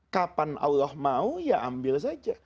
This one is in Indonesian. kapan allah mau ya ambil saja